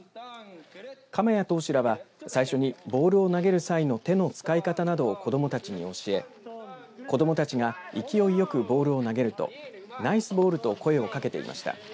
釜谷投手らは最初にボールを投げる際の手の使い方などを子どもたちに教え子どもたちが勢いよくボールを投げるとナイスボールと声をかけていました。